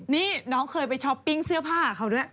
นี่น้องเคยไปซื้อผ้าเขาด้วย